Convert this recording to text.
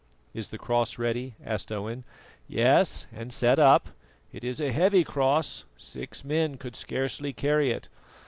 "Is the cross ready?" asked Owen. "Yes, and set up. It is a heavy cross; six men could scarcely carry it.